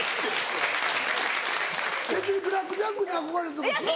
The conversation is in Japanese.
別にブラック・ジャックに憧れてたとか。